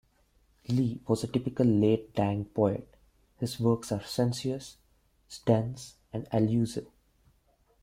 Li was a typical Late Tang poet: his works are sensuous, dense and allusive.